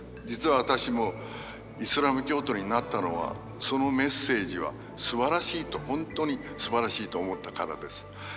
実は私もイスラム教徒になったのはそのメッセージはすばらしいと本当にすばらしいと思ったからです。